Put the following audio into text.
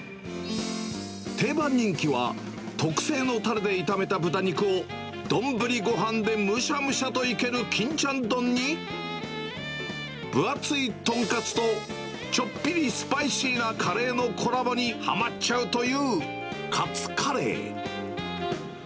定番人気は、特製のたれで炒めた豚肉を丼ごはんでむしゃむしゃといける金ちゃん丼に、分厚い豚カツと、ちょっぴりスパイシーなカレーのコラボにはまっちゃうというカツカレー。